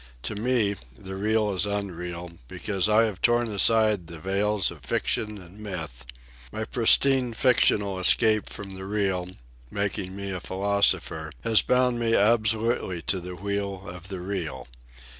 To me the Real is unreal, because I have torn aside the veils of fiction and myth. My pristine fictional escape from the Real, making me a philosopher, has bound me absolutely to the wheel of the Real.